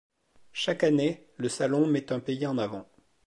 Chaque année, le salon met un pays en avant.